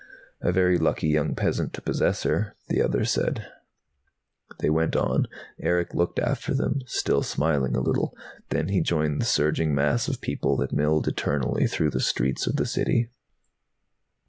"A very lucky young peasant to possess her," the other said. They went on. Erick looked after them, still smiling a little. Then he joined the surging mass of people that milled eternally through the streets of the City.